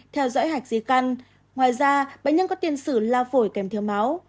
theo dõi hạch dưới căn ngoài ra bệnh nhân có tiền sử la phổi kèm thiếu máu